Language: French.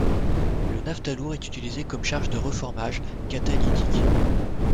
Le naphta lourd est utilisé comme charge de reformage catalytique.